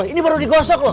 ini baru digosok loh